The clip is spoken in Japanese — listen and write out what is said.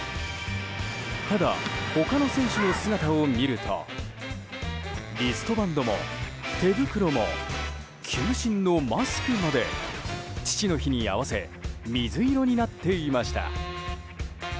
ただ、他の選手の姿を見るとリストバンドも手袋も球審のマスクまで父の日に合わせ水色になっていました。